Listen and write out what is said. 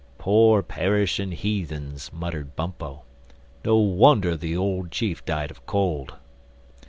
"Poor perishing heathens!" muttered Bumpo. "No wonder the old chief died of cold!"